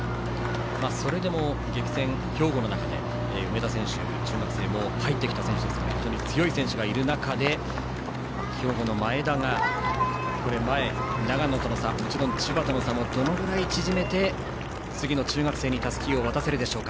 それでも激戦、兵庫の中で梅田選手、中学生も入ってきた選手なので非常に強い選手がいる中で兵庫の前田が前、長野との差や千葉との差をどれぐらい縮めて次の中学生にたすきを渡せるか。